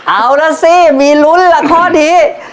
เอาล่ะสิมีลุ้นล่ะข้อนี้